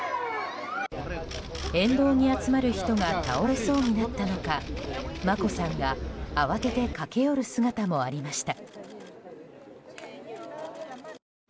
沿道に集まる人が倒れそうになったのか眞子さんが慌てて駆け寄る姿もありました。